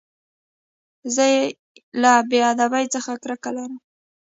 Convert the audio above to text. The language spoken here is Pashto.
زه له بېادبۍ څخه کرکه لرم.